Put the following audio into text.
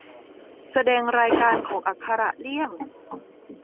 แสดงรายการของอักขระเลี่ยง